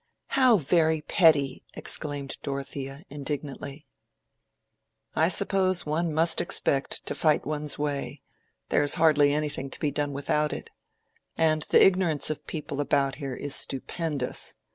"How very petty!" exclaimed Dorothea, indignantly. "I suppose one must expect to fight one's way: there is hardly anything to be done without it. And the ignorance of people about here is stupendous.